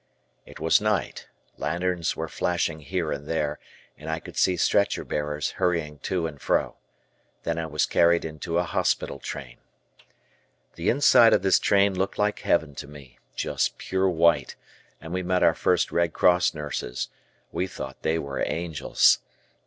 It was night, lanterns were flashing here and there, and I could see stretcher bearers hurrying to and fro. Then I was carried into a hospital train. The inside of this train looked like heaven to me, just pure white, and we met our first Red Cross nurses; we thought they were angels.